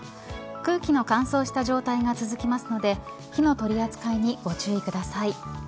空気の乾燥した状態が続きますので火の取り扱いにご注意ください。